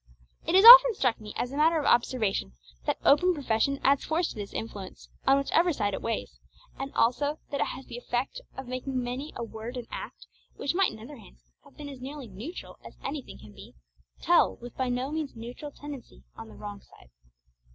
It has often struck me as a matter of observation, that open profession adds force to this influence, on whichever side it weighs; and also that it has the effect of making many a word and act, which might in other hands have been as nearly neutral as anything can be, tell with by no means neutral tendency on the wrong side.